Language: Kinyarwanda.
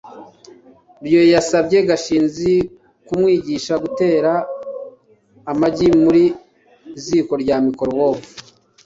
rugeyo yasabye gashinzi kumwigisha gutera amagi mu ziko rya microwave